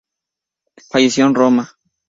Falleció en Roma.